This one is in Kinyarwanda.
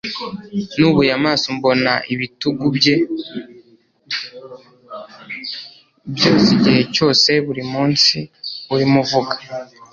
byose, igihe cyose, buri munsi. Urimo uvuga,